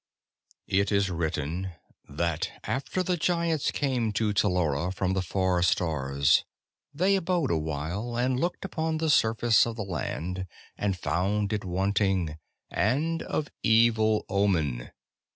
_] _It is written that after the Giants came to Tellura from the far stars, they abode a while, and looked upon the surface of the land, and found it wanting, and of evil omen.